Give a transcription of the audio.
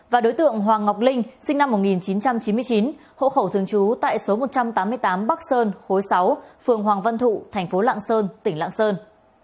và đối tượng hoàng ngọc linh sinh năm một nghìn chín trăm chín mươi chín hộ khẩu thường trú tại số một trăm tám mươi tám bắc sơn khối sáu phường hoàng văn thụ thành phố lạng sơn tỉnh lạng sơn